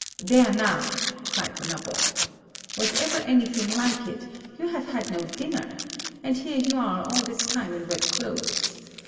'There now!' cried the nabob. 'Was ever any thing like it? You have had no dinner! And here you are all this time in wet clothes!